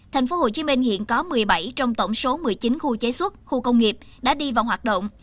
tp hcm hiện có một mươi bảy trong tổng số một mươi chín khu chế xuất khu công nghiệp đã đi vào hoạt động